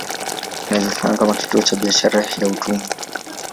Ilijulikana kama kituo cha biashara ya watumwa.